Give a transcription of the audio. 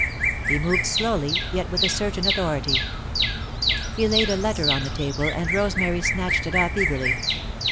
He moved slowly, yet with a certain authority. He laid a letter on the table and Rosemary snatched it up eagerly.